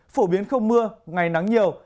phổ biến không mưa ngày nắng nhiều